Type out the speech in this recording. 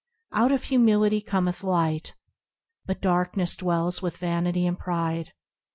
Out of Humility cometh Light, But darkness dwells with vanity and pride.